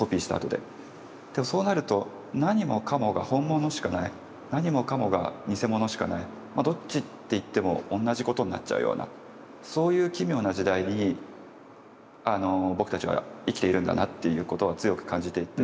でそうなると何もかもが本物しかない何もかもが偽物しかないどっちって言っても同じことになっちゃうようなそういう奇妙な時代に僕たちは生きているんだなっていうことを強く感じていて。